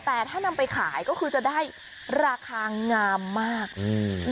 แต่ถ้านำไปขายก็คือจะได้ราคางามมากอืม